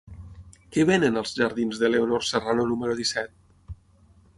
Què venen als jardins de Leonor Serrano número disset?